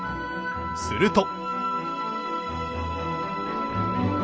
すると。